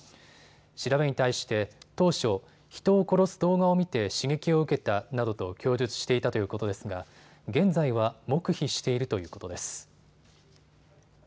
調べに対して当初、人を殺す動画を見て刺激を受けたなどと供述していたということですが現在は黙秘しているということです。